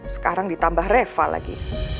sekarang ditambah reva lagi